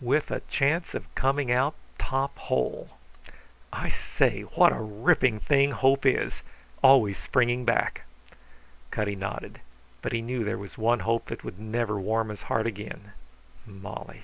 "With a chance of coming out top hole." "I say, what a ripping thing hope is always springing back!" Cutty nodded. But he knew there was one hope that would never warm his heart again. Molly!...